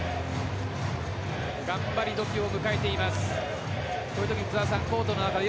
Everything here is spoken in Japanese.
頑張り時を迎えています。